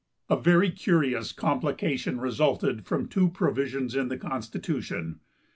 A very curious complication resulted from two provisions in the constitution.